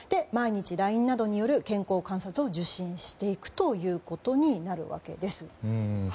毎日ＬＩＮＥなどによる健康観察を受診していくことになります。